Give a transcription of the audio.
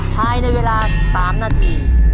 ภายในเวลา๓นาที